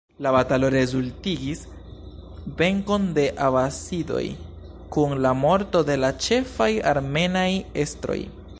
La batalo rezultigis venkon de abasidoj, kun la morto de la ĉefaj armenaj estroj.